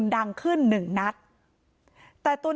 นางศรีพรายดาเสียยุ๕๑ปี